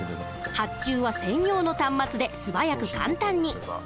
発注は専用の端末で素早く簡単に。